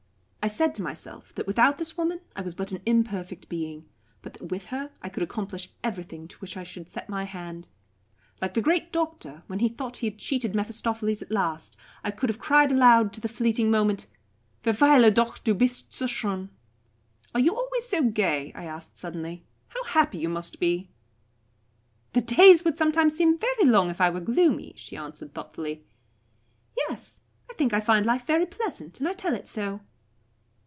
I said to myself that without this woman I was but an imperfect being, but that with her I could accomplish everything to which I should set my hand. Like the great Doctor, when he thought he had cheated Mephistopheles at last, I could have cried aloud to the fleeting moment, Verweile doch du bist so schön! "Are you always gay?" I asked suddenly. "How happy you must be!" "The days would sometimes seem very long if I were gloomy," she answered thoughtfully. "Yes, I think I find life very pleasant, and I tell it so."